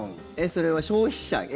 それは消費者？